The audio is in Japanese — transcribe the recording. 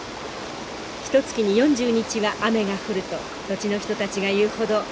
ひとつきに４０日は雨が降ると土地の人たちが言うほどよく降ります。